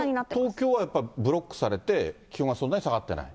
東京はブロックされて、気温はそんなに下がってない？